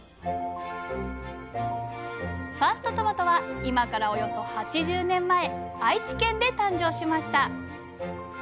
ファーストトマトは今からおよそ８０年前愛知県で誕生しました。